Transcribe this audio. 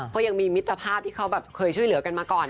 เขายังมีมิตรภาพที่เขาแบบเคยช่วยเหลือกันมาก่อน